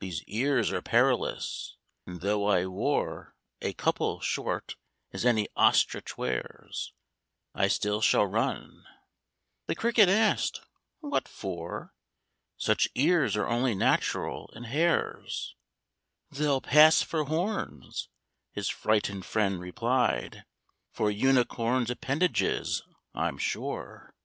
These ears are perilous; and, though I wore A couple short as any Ostrich wears, I still should run." The Cricket asked, "What for? Such ears are only natural in Hares." "They'll pass for horns," his frightened friend replied; "For Unicorn's appendages, I'm sure.